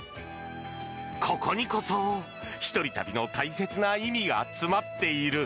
ここにこそ一人旅の大切な意味が詰まっている。